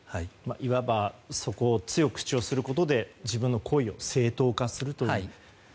いわば、そこを強く主張することで自分の行為を正当化するという。